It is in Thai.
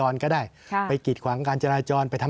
ดังนั้นถามว่าเราเองเราดูตรงไหนเราดูเฉพาะกฎหมายของเรา